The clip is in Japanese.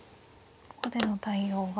ここでの対応は。